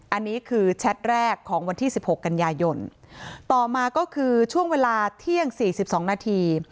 อันนี้คือแชทแรกของวันที่สิบหกกันยายนต่อมาก็คือช่วงเวลาเที่ยง๔๒นาที